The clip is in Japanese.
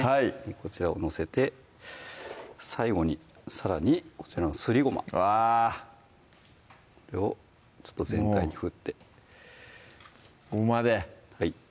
こちらを載せて最後にさらにこちらのすりごまわこれを全体に振ってごまではい